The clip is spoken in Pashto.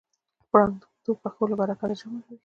پړانګ د اوږدو پښو له برکته ژر منډه وهي.